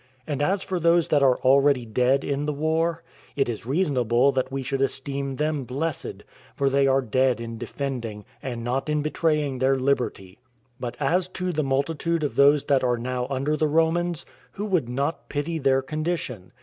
And as for those that are already dead in the war, it is reasonable we should esteem them blessed, for they are dead in defending, and not in betraying their liberty; but as to the multitude of those that are now under the Romans, who would not pity their condition?